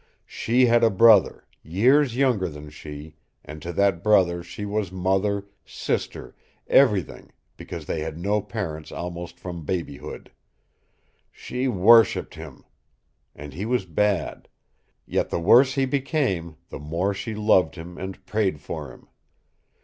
She had a brother, years younger than she, and to that brother she was mother, sister, everything, because they had no parents almost from babyhood. She worshiped him. And he was bad. Yet the worse he became, the more she loved him and prayed for him.